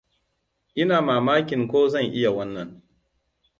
Ina mamakin ko zan iya wannan.